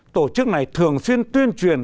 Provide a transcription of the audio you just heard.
tổ chức này thường xuyên tuyên truyền